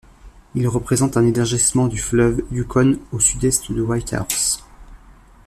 Il représente un élargissement du fleuve Yukon au sud-est de Whitehorse.